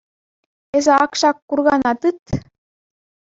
Эсӗ ак ҫак куркана тыт.